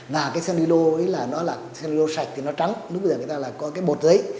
và senilo sạch thì nó trắng lúc bây giờ người ta là có bột giấy